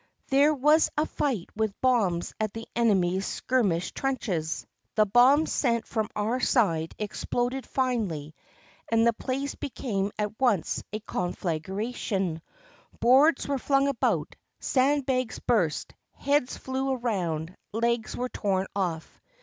There was a fight with bombs at the enemy's skir mish trenches. The bombs sent from our side exploded finely, and the place became at once a conflagration, boards were flung about, sand bags burst, heads flew around, legs were torn off.